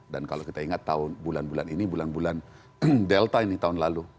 dan kalau kita ingat tahun bulan bulan ini bulan bulan delta ini tahun lalu